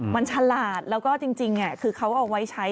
มันฉลาดแล้วก็จริงคือเขาเอาไว้ใช้